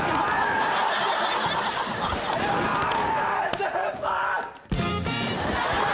先輩！